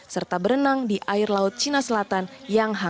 serta berenang di ironman